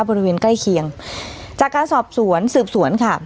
บริเวณใกล้เคียงจากการสอบสวนสืบสวนค่ะ